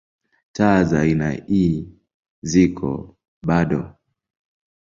Taa za aina ii ziko bado.